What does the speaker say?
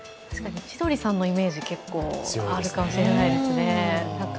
千鳥さんのイメージ結構あるかもしれないですね。